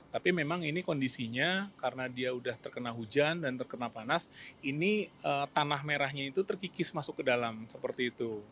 tapi memang ini kondisinya karena dia sudah terkena hujan dan terkena panas ini tanah merahnya itu terkikis masuk ke dalam seperti itu